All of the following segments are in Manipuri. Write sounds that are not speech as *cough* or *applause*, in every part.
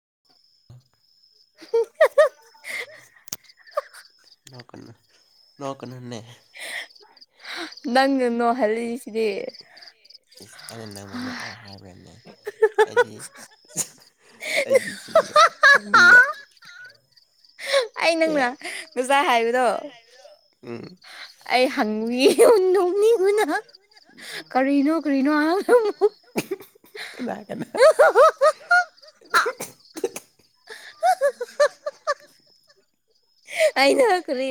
*unintelligible* ꯅꯣꯛꯀꯅꯨ ꯅꯣꯛꯀꯅꯨꯅꯦ ꯅꯪꯅ ꯅꯣꯍꯜꯂꯤ ꯏꯁ ꯑꯩꯅ ꯅꯪꯕꯨ ꯅꯣꯛꯑꯣ ꯍꯥꯏ ꯋꯦꯅꯦ ꯑꯩꯗꯤ ꯑꯩꯗꯤ ꯆꯨꯝꯅꯥ ꯈꯪꯕ꯭ꯔꯥ ꯅꯪꯅ ꯉꯁꯥꯏ ꯍꯥꯏꯕꯗꯣ ꯎꯝ ꯑꯩ ꯍꯪꯉꯨꯏ ꯏꯍꯨ ꯅꯣꯛꯅꯤꯕꯗ ꯀꯔꯤꯅꯣ ꯀꯔꯤꯅꯣ ꯍꯥꯎꯗ ꯑꯃꯨꯛ ꯏꯃꯥꯏ ꯄꯦꯃꯥ *unintelligible* ꯑꯩꯅ ꯀꯔꯤ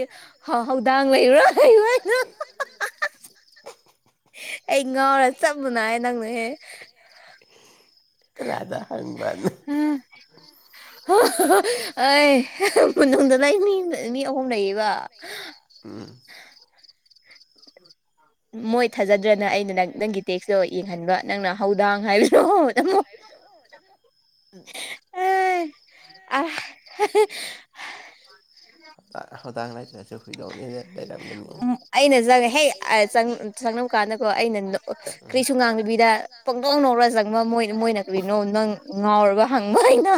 ꯍꯥ ꯍꯧꯗꯥꯡ ꯂꯩꯔꯨꯔꯣ ꯍꯥꯏꯅ ꯑꯩ ꯉꯥꯎꯔ ꯆꯞ ꯃꯅꯥꯔꯦ ꯅꯪꯅꯍꯦ ꯀꯅꯥꯗꯥ ꯍꯪꯕꯥꯅꯤ ꯑꯣꯏ ꯃꯅꯨꯡꯗ *unintelligible* ꯃꯤ ꯑꯍꯨꯝ ꯂꯩꯕꯥ *unintelligible* *unintelligible* ꯃꯣꯏ ꯊꯥꯖꯗ꯭ꯔꯅ ꯑꯩꯅ ꯅꯪ ꯅꯪꯒꯤ ꯇꯦꯛꯁꯇꯣ ꯌꯦꯡꯍꯟꯕ ꯅꯪꯅ ꯍꯧꯗꯥꯡ ꯍꯥꯏꯕꯗꯣ *unintelligible* *unintelligible* ꯍꯣꯗꯡ *unintelligible* ꯂꯩꯔꯝꯒꯅꯤ ꯑꯩꯅ ꯆꯪꯉꯦ ꯍꯦ ꯑ ꯆꯪꯂꯝ ꯀꯥꯟꯗꯀꯣ ꯑꯩꯅ ꯀꯔꯤꯁꯨ ꯉꯥꯡꯗꯕꯤꯗ ꯄꯪꯅ‌ꯣꯛ ꯅ‌ꯣꯛꯔ ꯆꯪꯕ ꯃꯣꯏ ꯃꯣꯏꯅ ꯀꯔꯤꯅꯣ ꯅꯪ ꯉꯥꯎꯔꯕ ꯍꯪꯕ ꯑꯩꯅ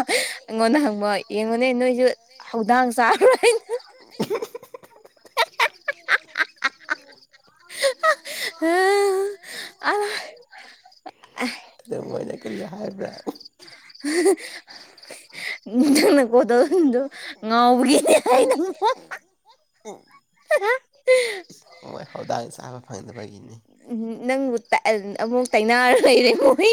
ꯑꯩꯉꯣꯟꯗ ꯍꯪꯕ ꯌꯦꯡꯉꯣꯅꯦ ꯅꯣꯏꯖꯨ ꯍꯧꯗꯥꯡ ꯆꯥ *unintelligible* *unintelligible* *unintelligible* ꯑꯗꯣ ꯃꯣꯏꯅ ꯀꯔꯤ ꯍꯥꯏꯕ꯭ꯔꯥ *unintelligible* *unintelligible* ꯉꯥꯎꯕꯒꯤꯅꯦ ꯍꯥꯏꯅ *unintelligible* ꯍ‌ꯣꯏ ꯍ‌ꯣꯗꯥꯡ ꯆꯥꯕ ꯐꯪꯗꯕꯒꯤꯅꯤ ꯎ ꯅꯪꯕꯨ ꯇꯩ ꯑꯃꯨꯛ ꯇꯥꯏꯅꯥꯔ ꯂꯩꯔꯦ ꯃꯣꯏ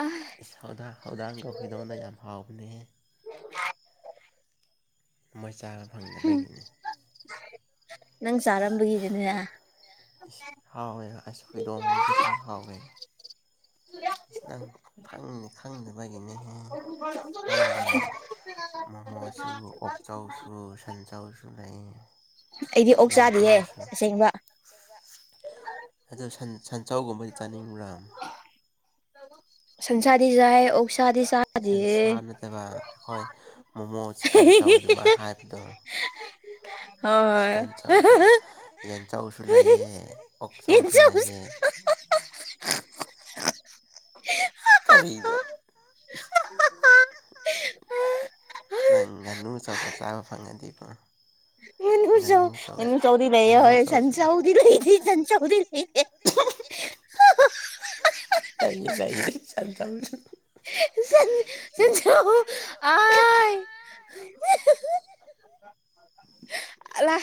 ꯑꯥ ꯍ‌ꯣꯗꯥꯡ ꯍ‌ꯣꯗꯥꯡꯒ ꯍꯨꯏꯗ‌ꯣꯡꯗ ꯌꯥꯝ ꯍꯥꯎꯕꯅꯦꯍ‌ꯦ *unintelligible* ꯃꯣꯏ ꯆꯥꯕ ꯐꯪꯗꯕꯒꯤꯅꯤ ꯅꯪ ꯆꯥꯔꯝꯕꯒꯤꯗꯤꯅꯦ ꯍꯥꯎꯋꯦꯕ ꯑꯁ ꯍꯨꯏꯗꯣꯡ ꯗꯨꯗꯤ ꯈꯔ ꯍꯥꯎꯋꯦ ꯏꯁ ꯅꯪ ꯐꯪ ꯈꯪꯅꯕꯒꯤꯅꯦꯍꯦ ꯈ‌ꯣꯏꯔ‌ꯣꯝꯗ ꯃꯣꯃꯣꯁ ꯁꯨ ꯑꯣꯛꯆꯥꯎꯁꯨ ꯁꯟꯆꯥꯎꯁꯨ ꯂꯩꯌ‌ꯦ ꯑꯩꯗꯤ ꯑꯣꯛ ꯆꯥꯗꯤꯌꯦ ꯑꯁꯦꯡꯕꯥ *unintelligible* ꯑꯗ‌ꯣ ꯁꯟ ꯁꯟꯆꯧꯒꯨꯝꯕꯗꯤ ꯆꯥꯅꯤꯡꯕ꯭ꯔꯥ ꯁꯟꯁꯥꯗꯤ ꯆꯥꯏ ꯑꯣꯛꯁꯥꯗꯤ ꯁꯟꯁꯥ ꯅꯠꯇꯕ ꯑꯩꯈꯣꯏ ꯃꯣꯃꯣ ꯆꯤꯛꯀꯟ ꯆꯧ ꯑꯗꯨꯃꯥꯏ ꯍꯥꯏꯕꯗꯣ ꯍ‌ꯣꯏ ꯌꯦꯟꯆꯧꯁꯨ ꯂꯩꯌ‌ꯦ ꯑꯣꯛꯆꯧꯁꯨ ꯂꯩꯌ‌ꯦ *unintelligible* ꯀꯔꯤꯕ *unintelligible* ꯅꯪ ꯉꯥꯅꯨ ꯑꯆꯧꯕ ꯆꯥꯕ ꯐꯪꯉꯗꯤꯕꯣ ꯉꯅꯨ ꯆꯧ ꯉꯅꯨ ꯆꯧꯗꯤ ꯂꯩꯌ‌ꯦ ꯍꯣꯏ ꯁꯟꯆꯧꯗꯤ ꯂꯩꯇ‌ꯦ ꯁꯟꯆꯧꯗꯤ *unintelligible* ꯇꯜꯂꯤꯗ ꯑꯩ *unintelligible* *unintelligible* *unintelligible* *unintelligible* ꯑꯂꯥ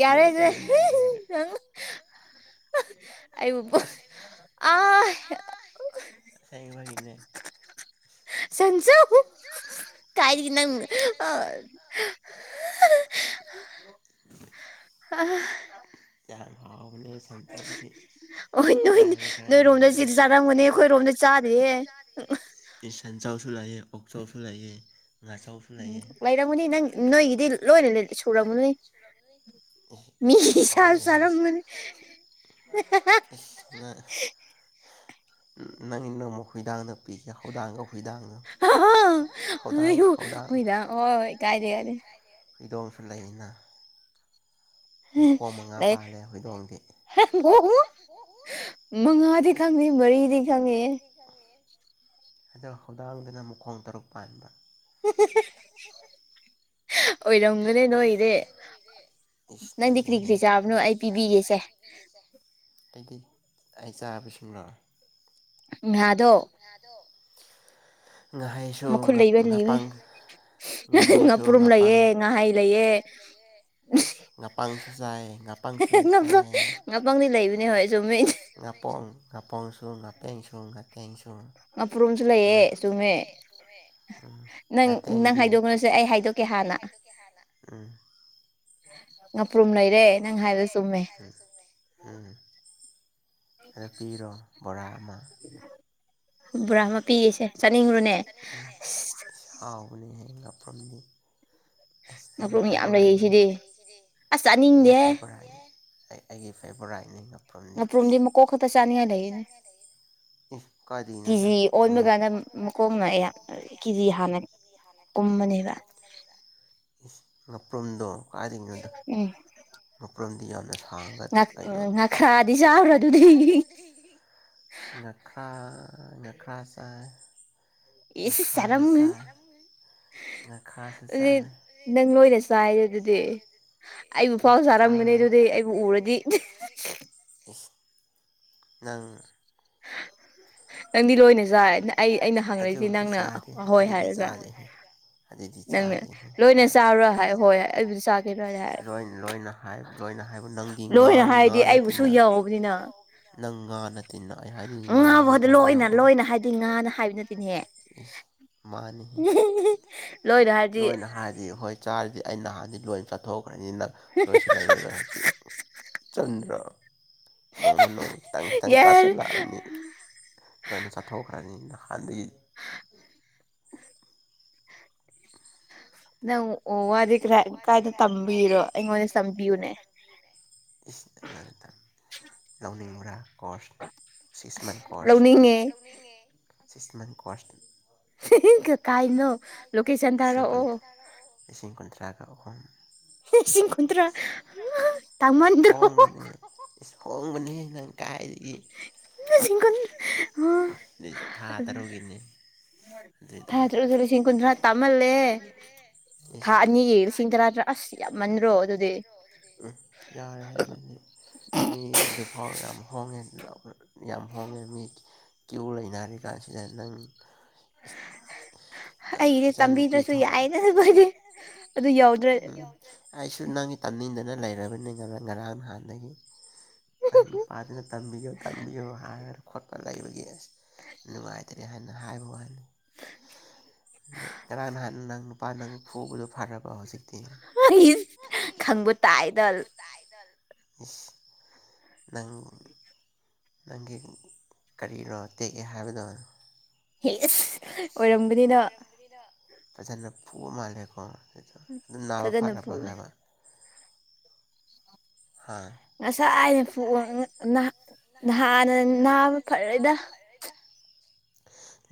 ꯌꯥꯔꯦꯁꯦ *unintelligible* ꯑꯩꯕꯨ ꯄꯨ ꯑꯥꯏ ꯇꯩꯕꯒꯤꯅꯦ ꯁꯟꯁꯣ ꯀꯥꯏꯗꯒꯤ ꯅꯪ ꯑ ꯑ *unintelligible* ꯌꯥꯝ ꯍꯥꯎꯕꯅꯤꯍꯦ ꯁꯟꯆꯧꯗꯤ ꯍꯣꯏ ꯅꯣꯏ ꯅꯣꯏꯔꯣꯝꯗ ꯆꯤ ꯆꯥꯔꯝꯒꯅꯤ ꯑꯩꯈꯣꯏꯔꯣꯝꯗ ꯆꯥꯗꯦꯍꯦ ꯏ ꯁꯟꯆꯧꯁꯨ ꯂꯩꯌꯦ ꯑꯣꯛꯆꯧꯁꯨ ꯂꯩꯌꯦ ꯎꯝ ꯂꯩꯔꯝꯒꯅꯤ ꯅꯪ ꯅꯣꯏꯒꯤꯗꯤ ꯂꯣꯏꯅ ꯁꯨꯔꯝꯒꯅꯤ *unintelligible* ꯃꯤ ꯁꯥ ꯆꯥꯔꯝꯃꯅꯤ ꯅꯪꯅꯃꯨꯛ ꯍꯨꯏꯗꯥꯅꯕ ꯄꯤꯖ ꯍꯧꯗꯥꯡꯉ ꯍꯨꯏꯗꯥꯡꯉ ꯍꯧꯗꯥꯡ ꯍꯧꯗꯥꯡ ꯑꯣꯏ ꯀꯥꯏꯗꯦ ꯀꯥꯏꯗꯦ ꯍꯨꯏꯗꯣꯝꯁꯨ ꯂꯩꯌꯦꯅ ꯃꯈꯣꯡ ꯃꯉꯥ ꯄꯥꯜꯂꯦ ꯍꯨꯏꯗꯣꯡꯗꯤ ꯃꯉꯥꯗꯤ ꯈꯪꯗꯦ ꯃꯔꯤꯗꯤ ꯈꯪꯉꯦ ꯑꯗꯣ ꯍꯧꯗꯥꯡꯗꯨꯅ ꯃꯈꯣꯡ ꯇꯔꯨꯛ ꯄꯥꯟꯕ ꯑꯣꯏꯔꯝꯒꯅꯦ ꯅꯣꯏꯒꯤꯗꯤ ꯏꯁ ꯅꯩꯔꯦꯍꯦ ꯅꯪꯗꯤ ꯀꯩ ꯀꯩ ꯆꯥꯕꯅꯣ ꯑꯧꯗꯤ ꯑꯩꯗꯤ ꯑꯩ ꯆꯥꯕꯁꯤꯡꯔꯣ ꯉꯥꯗꯣ ꯉꯥꯗꯣ ꯉꯍꯩꯁꯨ ꯉꯥ ꯉꯥꯄꯥꯡ ꯉꯥꯄ꯭ꯔꯨꯝ ꯂꯩꯌꯦ ꯉꯥꯍꯩ ꯂꯩꯌꯦ ꯇꯦ ꯉꯥꯄꯪꯁꯨ ꯆꯥꯏꯌꯦ ꯉꯥꯄꯪꯡꯁꯨ ꯆꯥꯏꯌꯦ ꯉꯥꯄꯣꯡ ꯉꯥꯄꯣꯡꯁꯨ ꯉꯥꯄꯦꯡꯁꯨ ꯉ ꯄꯦꯡꯁꯨ ꯉꯥꯄ꯭ꯔꯨꯝꯁꯨ ꯂꯩꯌꯦ ꯆꯨꯝꯃꯦ ꯅꯪ ꯅꯪ ꯍꯥꯏꯗꯣꯛꯅꯨꯁꯦ ꯑꯩ ꯍꯥꯏꯗꯣꯛꯀꯦ ꯍꯥꯟꯅ ꯉꯥꯄ꯭ꯔꯨꯝ ꯂꯩꯔꯦ ꯅꯪ ꯍꯥꯏꯕꯗꯣ ꯆꯨꯝꯃꯦ ꯎꯝ ꯑꯗꯨ ꯄꯤꯔꯣ ꯕꯣꯔꯥ ꯑꯃ ꯕꯣꯔꯥ ꯑꯃ ꯄꯤꯒꯦꯁꯦ ꯆꯥꯅꯤꯡꯕ꯭ꯔꯣꯅꯦ ꯑꯁ ꯍꯥꯎꯕꯅꯦꯍꯦ ꯉꯥꯄ꯭ꯔꯨꯝꯗꯤ ꯉꯥꯄ꯭ꯔꯨꯡ ꯌꯥꯝ ꯂꯩꯌꯦ ꯁꯤꯗꯤ ꯑꯁ ꯆꯥꯅꯤꯡꯗꯦꯍꯦ ꯑꯩ ꯑꯩꯒꯤ ꯐꯦꯕꯣꯔꯥꯏꯠꯅꯤ ꯉꯥ ꯉꯥꯄ꯭ꯔꯨꯝꯗꯤ ꯃꯀꯣꯛ ꯈꯛꯇ ꯆꯥꯅꯤꯡꯉꯥꯏ ꯂꯩꯌꯦꯅꯦ ꯀꯦꯖꯤ ꯑꯣꯟꯕ ꯀꯥꯟꯗ ꯃꯀꯣꯛꯅ ꯑꯌꯥꯝ ꯀꯦꯖꯤ ꯍꯥꯟꯅ *unintelligible* ꯀꯨꯝꯕꯅꯦꯕ ꯏꯁ ꯉꯥꯄ꯭ꯔꯣꯨꯝꯗꯣ ꯀꯥꯏꯗꯩꯅꯣꯗ ꯎꯝ ꯉꯥꯄ꯭ꯔꯨꯝꯗꯤ ꯌꯥꯝꯅ ꯁꯥꯡꯕ ꯑꯗꯨ ꯑꯩꯅ ꯉꯈꯥ ꯉꯈꯥ ꯆꯥꯏ ꯉꯈꯥꯁꯨ ꯆꯥꯏ ꯉꯈꯥꯁꯨ ꯆꯥꯏ ꯅꯪ ꯂꯣꯏꯅ ꯆꯥꯏꯔꯦ ꯗꯨꯗꯤ ꯑꯩꯕꯨ ꯐꯥꯎ ꯁꯥꯔꯝꯒꯅꯤ ꯗꯨꯗꯤ ꯑꯩꯕꯨ ꯎꯔꯗꯤ *inaudible* ꯅꯪ ꯅꯪꯗꯤ ꯂꯣꯏꯅꯦ ꯑꯗꯨꯕꯨꯗꯤ ꯆꯥꯗꯦ ꯑꯗꯨꯗꯤ ꯆꯥꯗꯦꯍꯦ ꯑꯗꯨꯗꯤ ꯆꯥꯗꯦꯍꯦ ꯀꯥꯏꯗꯩꯩ ꯂꯣꯏ ꯂꯣꯏꯅ ꯍꯥꯏꯕ ꯂꯣꯏꯅ ꯍꯥꯏꯕ ꯅꯪꯒꯤ ꯉꯥ ꯉꯥ ꯅꯠꯇꯦꯅ ꯅꯪ ꯉꯥ ꯅꯠꯇꯤꯅ ꯑꯩ ꯍꯥꯏꯅꯤꯡ ꯉꯥꯎꯕꯗ ꯂꯣꯏꯅ ꯂꯣꯏꯅ ꯍꯥꯏꯗꯤ ꯉꯥꯅ ꯍꯥꯏꯕ ꯅꯠ *inaudible* ꯂꯣꯏꯅ ꯍꯥꯏꯔꯗꯤ ꯍꯣꯏ ꯆꯥꯔꯗꯤ ꯑꯩꯅ ꯍꯥꯟꯅꯤ ꯂꯣꯏ ꯆꯠꯊꯣꯛꯈ꯭ꯔꯅꯤ ꯅꯪ ꯅꯣꯏꯁꯨ ꯂꯩꯔꯔꯣꯏ ꯍꯧꯖꯤꯛ ꯆꯟꯗ꯭ꯔ ꯅꯣꯡꯃ ꯅꯣꯡꯃꯒꯤ ꯈꯤꯇꯪ ꯈꯤꯇꯪ ꯆꯥꯁꯜꯂꯛ ꯑꯅꯤ ꯂꯣꯏꯅ ꯆꯠꯊꯣꯛꯈ꯭ꯔꯅꯤ ꯅꯍꯥꯟꯗꯩꯩ ꯅꯪ ꯋꯥꯗꯤ ꯀꯔꯥꯏ ꯀꯥꯏꯗ ꯇꯝꯕꯤꯔꯣ ꯑꯩꯉꯣꯟꯗ ꯇꯝꯕꯤꯌꯨꯅꯦ ꯏꯁ ꯑꯩꯉꯣꯟꯗ ꯇꯝ ꯂꯧꯅꯤꯡꯕꯔꯥ ꯀꯣꯔꯁ ꯁꯤꯛꯁ ꯃꯟ ꯀꯣꯔꯁ ꯂꯧꯅꯤꯡꯉꯦ ꯁꯤꯛꯁ ꯃꯟ ꯀꯣꯔꯁ ꯀꯀꯥꯏꯅꯣ ꯂꯣꯀꯦꯁꯟ ꯊꯥꯔꯛꯑꯣ ꯂꯤꯁꯤꯡ ꯀꯨꯟꯊ꯭ꯔꯥꯒ ꯑꯍꯨꯝ ꯍꯣꯡꯕꯅꯦ ꯏꯁ ꯍꯣꯡꯕꯅꯤꯍꯦ ꯅꯪ ꯀꯥꯏꯗꯒꯤ ꯂꯤꯁꯤꯡ ꯀꯨꯟ ꯊꯥ ꯇꯔꯨꯛꯒꯤꯅꯦ ꯊꯥ ꯇꯔꯨꯛꯇ ꯂꯤꯁꯤꯡ ꯀꯨꯟꯊ꯭ꯔꯥ ꯏꯁ ꯎꯝ ꯌꯥꯔꯦꯍꯦ ꯑꯗꯨꯗꯤ ꯃꯤ ꯑꯗꯨꯐꯥꯎ ꯌꯥꯝ ꯍꯣꯡꯉꯦ ꯌꯥꯝ ꯍꯣꯡꯉꯦ ꯃꯤ ꯀꯤꯎ ꯂꯩꯅꯔꯤ ꯀꯥꯟꯁꯤꯗ ꯅꯪ ꯑꯩꯒꯤꯗꯤ ꯇꯝꯕꯤꯗ꯭ꯔꯁꯨ ꯌꯥꯏꯗ ꯑꯈꯣꯅꯏꯗꯤ ꯑꯗꯨ ꯌꯧꯗ꯭ꯔ ꯑꯩꯁꯨ ꯅꯪꯒꯤ ꯇꯝꯅꯤꯡꯗꯅ ꯂꯩꯔꯕꯅꯤ ꯉꯔꯥꯡ ꯅꯍꯥꯟꯗꯒꯤ ꯅꯪ ꯅꯨꯄꯥꯗꯨꯅ ꯇꯝꯕꯤꯌꯣ ꯇꯝꯕꯤꯌꯣ ꯍꯥꯏꯔ ꯈꯣꯠꯇ ꯂꯩꯕꯒꯤ ꯑꯁ ꯅꯨꯡꯉꯥꯏꯇꯔꯦ ꯍꯥꯏꯅ ꯍꯥꯏꯕ ꯋꯥꯅꯤ ꯉꯔꯥꯡ ꯅꯍꯥꯟ ꯅꯪ ꯅꯨꯄꯥ ꯅꯪ ꯐꯨꯕꯗꯣ ꯐꯔꯕ ꯍꯧꯖꯤꯛꯇꯤ ꯈꯪꯕ ꯇꯥꯏꯗ ꯇꯥꯏꯗ ꯅꯪ ꯅꯪꯒꯤ ꯀꯔꯤꯔꯣ ꯇꯦꯛꯑꯦ ꯍꯥꯏꯕꯗꯣ ꯍꯦꯁ ꯑꯣꯏꯔꯝꯒꯅꯤꯗ ꯐꯖꯅ ꯐꯨꯕ ꯃꯥꯜꯂꯦꯀꯣ ꯑꯗꯨꯗ ꯑꯗꯨ ꯅꯥꯕ ꯐꯔꯕ ꯍꯥꯏꯕ ꯍꯥ ꯉꯁꯥꯏꯗꯩꯩ ꯐꯨ ꯑ ꯅ ꯅꯍꯥꯟꯅ ꯅꯥꯕ ꯐꯔꯦꯗ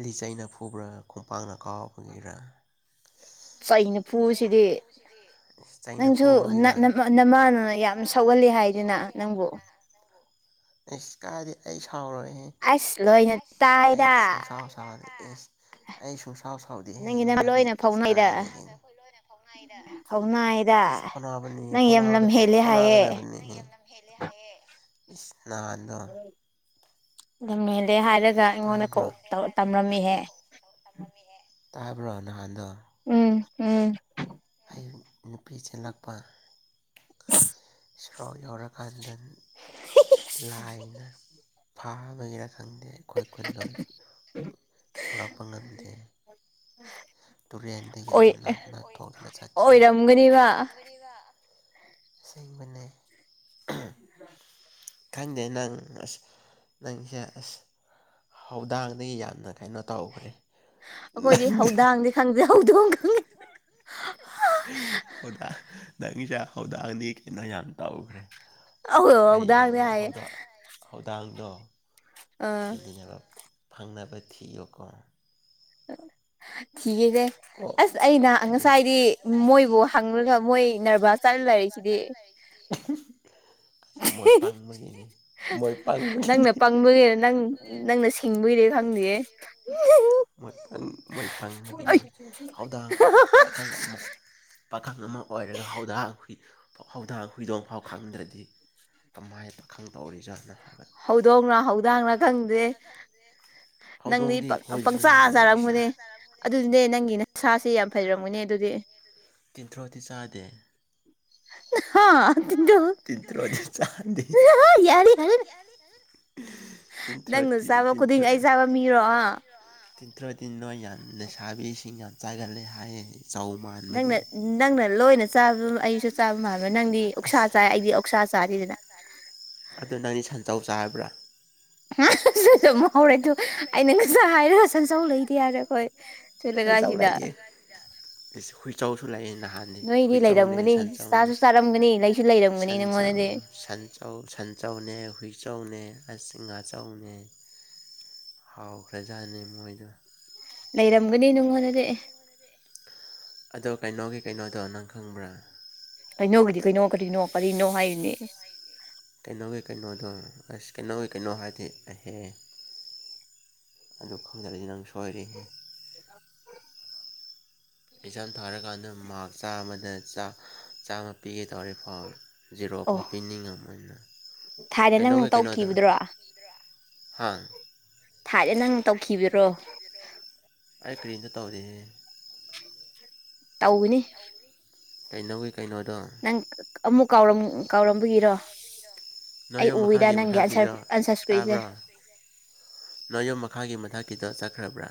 ꯂꯤꯆꯩꯅ ꯐꯨꯕ꯭ꯔꯥ ꯈꯣꯡꯄꯥꯛꯅ ꯀꯥꯎꯔ ꯐꯨꯏꯔꯥ ꯆꯩ ꯐꯨꯕꯁꯤꯗꯤ ꯅꯪꯁꯨ ꯅ ꯅ ꯃ ꯅꯃꯥꯅ ꯌꯥꯝ ꯁꯧꯒꯜꯂꯤ ꯍꯥꯏꯗꯅ ꯅꯪꯕꯨ ꯑꯩꯁ ꯀꯥꯏꯗꯩ ꯑꯩ ꯁꯥꯎꯔꯣꯏ ꯑꯩ ꯁꯨꯛ ꯁꯥꯎ ꯑꯥ ꯏꯁ ꯑꯩ ꯁꯨꯡꯁꯥꯎ ꯁꯥꯎꯗꯦꯍꯦ ꯏꯃꯥꯗꯤ ꯀꯥꯏꯗꯒꯤ *unintelligible* ꯏꯁ ꯐꯥꯎꯅꯕꯅꯤ ꯐꯥꯎ ꯐꯥꯎꯅꯒꯗꯕꯅꯤ ꯍꯦꯜꯂꯦ ꯍꯥꯏꯌꯦ ꯏꯁ ꯅꯍꯥꯟꯗꯣ ꯂꯝ ꯍꯦꯜꯂꯦ ꯍꯥꯏꯔꯒ ꯑꯩꯉꯣꯟꯗ ꯀꯣꯜ ꯇꯝꯂꯝꯃꯤꯍꯦ ꯇꯥꯕ꯭ꯔꯣ ꯅꯍꯥꯟꯗꯣ ꯑꯝ ꯑꯝ ꯑꯌꯨꯛ ꯅꯨꯄꯤ ꯆꯦꯜꯂꯛꯄ ꯁꯤꯐꯥꯎ ꯌꯧꯔꯛꯀꯥꯟꯗ ꯂꯥꯏꯅ ꯐꯥꯕꯩꯔ ꯈꯪꯗꯦ ꯑꯩꯈꯣꯏ ꯈꯨꯟꯗꯣ ꯌꯧꯔꯛꯄ ꯉꯝꯗꯦ ꯇꯨꯔꯦꯟꯗꯒꯤ ꯑꯗꯨꯝ ꯅꯥꯥꯛꯊꯣꯛꯇꯅ ꯆꯠꯈꯤ ꯑꯣꯏꯔꯝꯒꯅꯤ ꯑꯁꯦꯡꯕꯅꯦ *unintelligible* ꯈꯪꯗꯦ ꯅꯪ ꯑꯁ ꯅꯪꯁꯦ ꯑꯁ ꯍꯧꯗꯥꯡꯗꯒꯤ ꯌꯥꯝꯅ ꯀꯩꯅꯣ ꯇꯧꯈ꯭ꯔꯦ ꯑꯩꯈꯣꯏꯗꯤ ꯍꯧꯗꯥꯡꯗꯤ ꯈꯪꯗꯦ ꯍꯧꯗꯣꯡ ꯈꯪꯉꯤ *unintelligible* ꯍꯧꯗꯥꯡ ꯍꯧꯗꯥꯡꯅꯤ ꯀꯩꯅꯣ ꯌꯥꯝ ꯇꯧꯈ꯭ꯔꯦ ꯑꯧ ꯍꯧꯗꯥꯡꯅꯤ ꯍꯥꯏꯌꯦ ꯍꯧꯗꯥꯡꯗꯣ ꯊꯤꯅ ꯐꯪꯅꯕ ꯊꯤꯌꯨꯀꯣ *unintelligible* ꯊꯤꯒꯦꯁꯦ ꯑꯁ ꯑꯩꯅ ꯉꯁꯥꯏꯗꯤ ꯃꯣꯏꯕꯨ ꯍꯪꯂꯒ ꯃꯣꯏ ꯅꯔꯚꯁ ꯆꯠꯂ ꯂꯩꯈꯤ *unintelligible* *unintelligible* ꯅꯪꯅ ꯄꯪꯕꯒꯤ ꯅꯪ ꯅꯪꯅ ꯁꯤ ꯁꯤꯡꯕꯩꯔ ꯈꯪꯗꯦꯍꯦ *unintelligible* *unintelligible* ꯄꯥꯈꯪ ꯑꯃꯥ ꯑꯣꯏꯔꯒ ꯍꯧꯗꯥꯡ ꯍꯨꯏ ꯍꯧꯗꯥꯡ ꯍꯨꯏꯗꯣꯡꯐꯥꯎ ꯈꯪꯗ꯭ꯔꯗꯤ ꯀꯃꯥꯏꯟ ꯄꯥꯈꯪ ꯇꯧꯔꯤ ꯖꯥꯠꯅꯣ ꯍꯧꯗꯣꯡꯔ ꯍꯧꯗꯥꯡꯔ ꯈꯪꯗꯦ ꯅꯪꯗꯤ ꯄꯪꯆꯥ ꯆꯥꯔꯝꯕꯅꯦ ꯑꯗꯨꯗꯨꯅꯦ ꯅꯪꯒꯤ ꯅꯁꯥꯁꯦ ꯌꯥꯝ ꯐꯩꯔꯝꯒꯅꯤ ꯑꯗꯨꯗꯤ ꯇꯤꯟꯊ꯭ꯔꯣꯛꯇꯤ ꯆꯥꯗꯦ *unintelligible* ꯍꯥ ꯇꯤꯟꯠꯇ꯭ꯔꯣꯛꯇꯤ ꯆꯥꯗꯦ ꯌꯥꯔꯦ ꯌꯥꯔꯦ ꯇꯤꯟꯊ꯭ꯔꯥ ꯇꯤꯟꯊ꯭ꯔꯥ *unintelligible* ꯇꯤꯟꯊ꯭ꯔꯣꯛꯗꯤ ꯅꯣꯏ ꯌꯥꯝ ꯂꯩꯁꯥꯕꯤꯁꯤꯡ ꯌꯥꯝ ꯆꯥꯏꯒꯠꯂꯦ ꯍꯥꯏꯌꯦ ꯆꯥꯎ ꯅꯪꯅ ꯅꯪꯅ ꯂꯣꯏꯅ ꯆꯥꯕ ꯑꯩꯨꯁꯨ ꯆꯥꯕ ꯃꯥꯟꯕ ꯅꯪꯗꯤ ꯑꯣꯛꯁꯥ ꯆꯥꯏ ꯑꯩꯗꯤ ꯑꯣꯛ ꯁꯥ ꯆꯥꯗꯦꯗꯅ ꯑꯗꯣ ꯅꯪꯗꯤ ꯁꯟꯆꯧ ꯆꯥꯔꯕ꯭ꯔꯥ *unintelligible* ꯁꯤꯗ ꯑꯃꯨꯛ ꯍꯧꯔꯦꯇꯨ ꯑꯩꯅ ꯉꯁꯥꯏ ꯍꯥꯏꯔ ꯁꯟꯆꯧ ꯂꯩꯗꯦ ꯍꯥꯏꯔ ꯑꯩꯈꯣꯏ ꯁꯣꯜꯂꯤ ꯉꯥꯏꯁꯤꯗ ꯍꯨꯏꯆꯧꯁꯨ ꯂꯩꯌꯦ ꯅꯍꯥꯟꯗꯤ ꯍꯨꯏꯆꯧꯅꯦ ꯁꯟꯆꯧꯅꯦ ꯁꯟꯆ ꯁꯟ ꯁꯟꯆꯧꯅꯦ ꯍꯨꯏꯆꯧꯅꯦ ꯑꯁ ꯉꯥꯆꯧꯅꯦ ꯍꯥꯎꯈ꯭ꯔꯖꯥꯠꯅꯤ ꯃꯣꯏꯗꯨ ꯂꯩꯔꯝꯒꯅꯤ ꯅꯪꯉꯣꯟꯗꯗꯤ ꯑꯦ ꯑꯗꯣ ꯀꯩꯅꯣꯒꯤ ꯀꯩꯅꯣꯗꯣ ꯅꯪ ꯈꯪꯕ꯭ꯔꯥ ꯀꯩꯅꯣꯒꯤꯗꯤ ꯀꯩꯅꯣ ꯀꯔꯤꯅꯣ ꯀꯔꯤꯅꯣ ꯍꯥꯏꯔꯤꯅꯦ ꯀꯩꯅꯣꯒꯤ ꯀꯩꯅꯣꯗꯣ ꯑꯁ ꯀꯩꯅꯣꯒꯤ ꯀꯩꯅꯣ ꯍꯥꯏꯗꯤ ꯑꯍꯦ ꯑꯗꯨ ꯈꯪꯖꯔꯤꯖꯤ ꯅꯪ ꯁꯣꯏꯔꯤ *inaudible* ꯑꯦꯛꯖꯥꯝ ꯊꯥꯔꯒꯥꯟ ꯅꯪ ꯃ꯭ꯔꯥꯛ ꯆꯥꯝꯃꯗ ꯆꯥ ꯆꯥꯝꯃ ꯄꯤꯒꯦ ꯇꯧꯔꯦ ꯐꯥꯎ ꯖꯦꯔꯣꯐꯥꯎ ꯄꯤꯅꯤꯡꯉꯝꯑꯣꯏꯅ ꯀꯩꯅꯣꯒꯩ ꯀꯩꯅꯣꯗꯣ ꯍꯥꯥꯡ ꯊꯥꯏꯅ ꯅꯪ ꯇꯧꯈꯤꯕꯔꯣ ꯑꯩ ꯀ꯭ꯔꯤꯅꯣ ꯇꯧꯔꯤꯖꯦ ꯇꯧꯅꯤ ꯀꯩꯅꯣꯒꯤ ꯀꯩꯅꯣꯗꯣ ꯅꯪ ꯑꯃꯨꯛ ꯀꯥꯎꯔꯝ ꯀꯥꯎꯔꯝꯕꯒꯤꯔꯣ ꯅꯣꯏꯌꯨꯝ ꯃꯈꯥꯒꯤ ꯃꯊꯛꯀꯤꯗꯣ ꯇꯥꯕ꯭ꯔꯣ ꯅꯣꯏꯌꯨꯝ ꯃꯈꯥꯒꯤ ꯃꯊꯛꯀꯤꯗꯣ ꯆꯠꯈ꯭ꯔꯕ꯭ꯔꯥ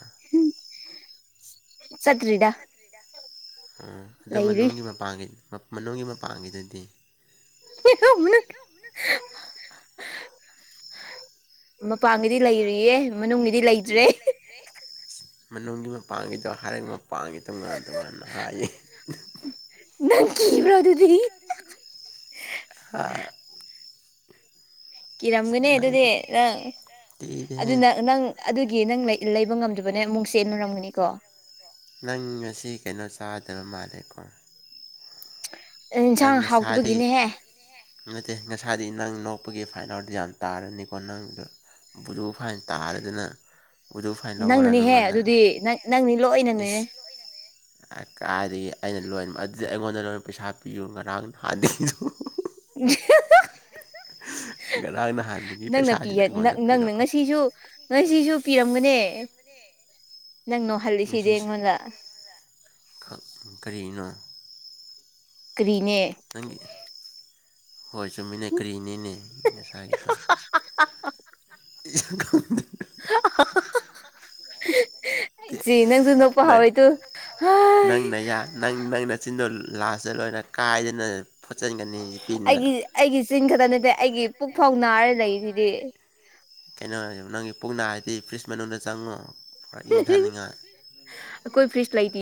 ꯆꯠꯇ꯭ꯔꯤꯗꯥ ꯑꯣ ꯑꯗꯨ ꯃꯅꯨꯡꯒꯤ ꯃꯄꯒꯤ ꯃꯅꯨꯡꯒꯤ ꯃꯄꯥꯡꯒꯤꯗꯨꯗꯤ *unintelligible* ꯃꯄꯥꯟꯒꯤꯗꯤ ꯂꯩꯔꯤꯌꯦ ꯃꯅꯨꯡꯒꯤꯗꯤ ꯂꯩꯇ꯭ꯔꯦ ꯃꯅꯨꯡꯒꯤ ꯃꯄꯥꯡꯒꯤꯗꯣ ꯍꯥꯏ ꯃꯄꯥꯡꯒꯤ ꯇꯣꯉꯥꯟ ꯇꯣꯉꯥꯟꯅ ꯍꯥꯏꯌꯦ ꯅꯪ ꯀꯤꯕ꯭ꯔꯣ ꯑꯗꯨꯗꯤ ꯑꯗꯨꯗꯤ ꯍꯥꯥ ꯀꯤꯔꯝꯒꯅꯤ ꯑꯗꯨꯗꯤ ꯅꯪ ꯑꯗꯨꯅ ꯅꯪ ꯑꯗꯨꯒꯤ ꯅꯪ ꯂꯩ ꯂꯩꯕ ꯉꯝꯗꯕꯅꯦ *unintelligible* ꯅꯪ ꯉꯁꯤ ꯀꯩꯅꯣ ꯆꯥꯗꯔꯥ ꯃꯥꯜꯂꯦꯀꯣ ꯅꯪ ꯉꯁꯥꯏꯗꯒꯤ ꯅꯠꯇꯦ ꯉꯁꯥꯏꯗꯤ ꯅꯪ ꯅꯣꯛꯄꯒꯤ ꯐꯥꯏꯟ *unintelligible* ꯌꯥꯝ ꯇꯥꯔꯅꯤꯀꯣ ꯅꯪꯗ ꯕꯨꯗꯨ ꯐꯥꯏꯟ ꯇꯥꯔꯗꯤꯅꯪ ꯕꯨꯗꯨ ꯐꯥꯏꯟ ꯂꯧꯑꯣꯔꯥ ꯅꯪꯉꯣꯟꯗ ꯏꯁ ꯑꯥꯏ ꯀꯥꯏꯗꯒꯤ ꯑꯩꯅ ꯂꯣꯏ ꯑꯗꯨ ꯑꯩꯉꯣꯟꯗ ꯂꯣꯏꯅ ꯄꯩꯁꯥ ꯄꯤꯌꯨ ꯉꯔꯥꯡ ꯍꯥꯟꯗꯤꯁꯨ ꯅꯪꯅ ꯄꯤ *unintelligible* ꯅꯪꯅ ꯉꯁꯤꯁꯨ ꯉꯥꯁꯤꯁꯨ ꯄꯤꯔꯝꯒꯅꯦ ꯅꯪꯅꯣ ꯃꯤꯁꯤꯁ ꯀ ꯀꯔꯤꯅꯣ ꯀ꯭ꯔꯤꯅꯦ ꯅꯪꯒꯤ ꯍꯣꯏ ꯆꯨꯝꯃꯤꯅꯦ ꯀꯔꯤꯅꯦꯅꯦ ꯅꯁꯥꯒꯤꯗꯣ *unintelligible* *unintelligible* ꯆꯤ ꯅꯪꯖꯨ ꯅꯣꯛꯄ ꯍꯧꯋꯦ ꯇꯨ ꯍꯥꯏ ꯅꯪ ꯅꯪꯅꯆꯤꯟꯗꯣ ꯂꯥꯁꯇ ꯂꯣꯏꯅ ꯀꯥꯏꯗꯅ ꯐꯣꯠꯆꯤꯟꯒꯅꯤ ꯄꯤꯟꯅ ꯑꯩꯒꯤ ꯆꯤꯟ ꯈꯛꯇ ꯅꯠꯇꯦ ꯑꯩꯒꯤ ꯄꯨꯛ ꯐꯥꯎ ꯅꯥꯔ ꯂꯩꯖꯤꯗꯤ ꯀꯩꯅꯣ ꯍꯥꯏꯖꯤꯕꯣ ꯅꯪꯒꯤ ꯄꯨꯛꯅꯥꯔꯗꯤ ꯐ꯭ꯔꯤꯁ ꯃꯅꯨꯡꯗ ꯆꯪꯉꯣ ꯏꯪꯗꯥꯅꯤꯡꯉꯥꯏ ꯑꯈꯣꯏ ꯐ꯭ꯔꯤꯁ ꯂꯩꯇꯤ